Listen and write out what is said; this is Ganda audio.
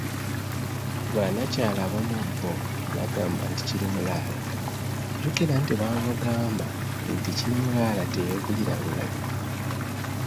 Ba nnakyala abamu bo bagamba nti "Kirimulaala", jjukira nti baamugamba nti, kirimulaala teyeegulira ngabo.